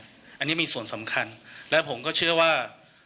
อันนี้มีส่วนสำคัญและผมก็เชื่อว่า